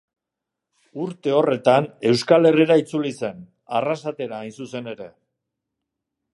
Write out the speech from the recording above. Urte horretan, Euskal Herrira itzuli zen, Arrasatera hain zuzen ere.